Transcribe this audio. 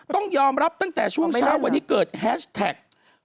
ต้องยอมรับตั้งแต่ช่วงเช้าวันนี้เกิดแฮชแท็ก